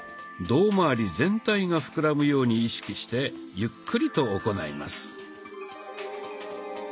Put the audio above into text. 胴まわり全体が膨らむように意識してゆっくりと行います。